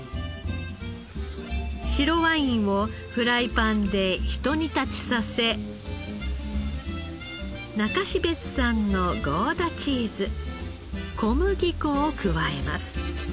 白ワインをフライパンでひと煮立ちさせ中標津産のゴーダチーズ小麦粉を加えます。